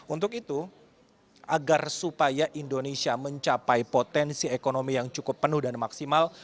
untuk itu agar supaya indonesia mencapai potensi ekonomi yang cukup penuh dan maksimal